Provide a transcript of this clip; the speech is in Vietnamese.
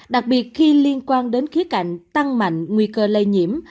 đặc biệt khi liên quan đến khía cạnh tăng mạnh nguy cơ lây nhiễm